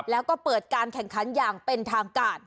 แล้วก็เปิดการแข่งขันอย่างเป็นทางการ